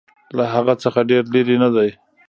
له هغه څخه ډېر لیري نه دی.